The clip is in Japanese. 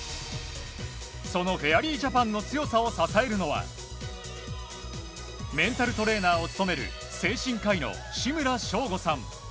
そのフェアリージャパンの強さを支えるのはメンタルトレーナーを務める精神科医の志村祥瑚さん。